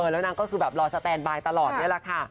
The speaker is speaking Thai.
แล้วนางก็คือแบบรอสแตนบายตลอดนี่แหละค่ะ